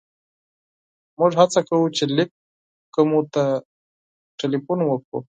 موږ هڅه کوو چې لېک کومو ته ټېلیفون وکړو.